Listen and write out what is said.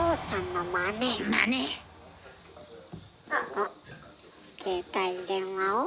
あっ携帯電話を。